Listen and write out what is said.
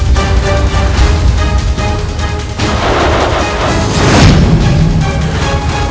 kau tak tahu apa apa